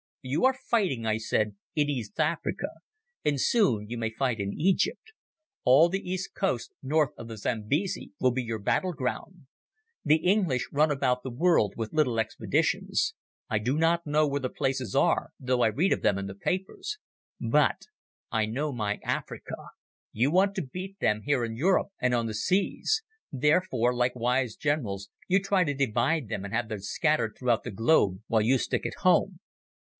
"You are fighting," I said, "in East Africa; and soon you may fight in Egypt. All the east coast north of the Zambesi will be your battle ground. The English run about the world with little expeditions. I do not know where the places are, though I read of them in the papers. But I know my Africa. You want to beat them here in Europe and on the seas. Therefore, like wise generals, you try to divide them and have them scattered throughout the globe while you stick at home.